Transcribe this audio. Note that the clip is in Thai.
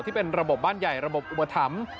ที่เป็นระบบบ้านใหญ่ระบบอุปถัมภ์